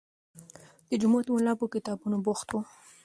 د جومات ملا په کتابونو بوخت و.